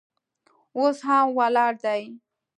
اوس هم ولاړ دی.